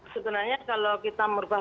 sebenarnya kalau kita merubah